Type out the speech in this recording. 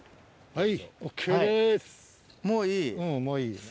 はい。